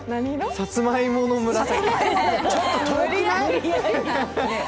さつまいもの紫。